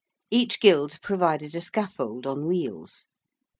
Each Guild provided a scaffold on wheels.